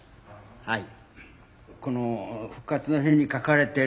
はい。